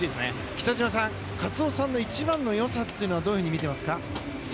北島さん、カツオさんの一番の良さっていうのはどういうふうに見ていますか？